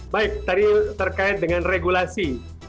baik tadi terkait dengan regulasi